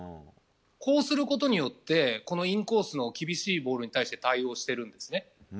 こうすることによってこのインコースの厳しいボールに対応しているんですね。